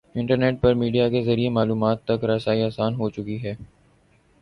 Internet پر media کے ذریعے معلومات تک رسائی آسان ہو چکی ہے۔